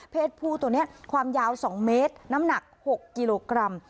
ผู้ตัวนี้ความยาว๒เมตรน้ำหนัก๖กิโลกรัม